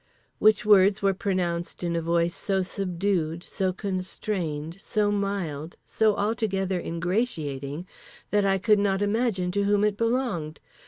Which words were pronounced in a voice so subdued, so constrained, so mild, so altogether ingratiating, that I could not imagine to whom it belonged.